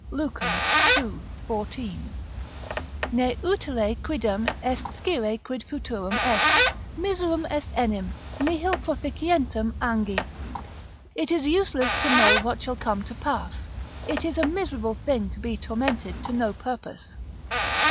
Lucan, ii. 14] "Ne utile quidem est scire quid futurum sit; miserum est enim, nihil proficientem angi," ["It is useless to know what shall come to pass; it is a miserable thing to be tormented to no purpose."